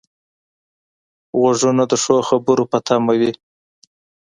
غوږونه د ښو خبرو په تمه وي